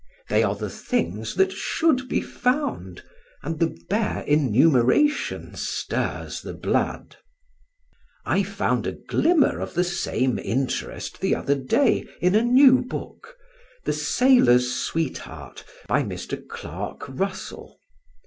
They are the things that should be found, and the bare enumeration stirs the blood. I found a glimmer of the same interest the other day in a new book, The Sailor's Sweetheart, by Mr. Clark Russell.